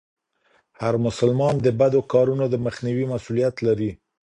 هر مسلمان د بدو کارونو د مخنيوي مسئوليت لري.